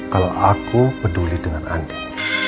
kalau aku peduli dengan anda